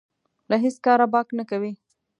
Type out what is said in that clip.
له هېڅ کاره باک نه کوي.